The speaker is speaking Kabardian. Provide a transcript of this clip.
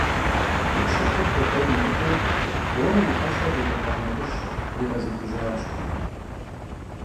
Yipşeç'e xuek'uen yimıdeu, Bore yi helher yirikhua neuj, khriğezıxıjjaş.